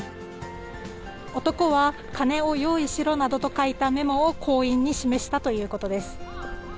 男は、金を用意しろなどと書いたメモを行員に示したということです。